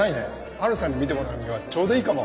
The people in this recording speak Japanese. ハルさんに見てもらうにはちょうどいいかも。